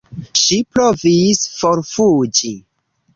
Ŝi provis forfuĝi.